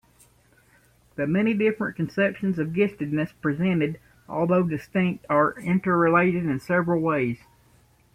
The many different conceptions of giftedness presented, although distinct, are interrelated in several ways.